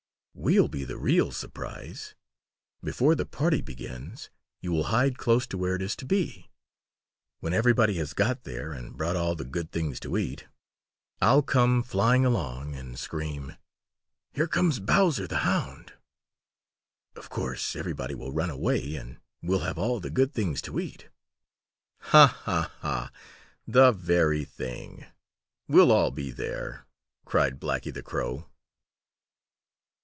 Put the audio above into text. "We'll be the real surprise. Before the party begins, you will hide close to where it is to be. When everybody has got there and brought all the good things to eat, I'll come flying along and scream: 'Here comes Bowser the Hound!' Of course every one will run away, and we'll have all the good things to eat." "Haw! haw! haw! The very thing! We'll all be there," cried Blacky the Crow.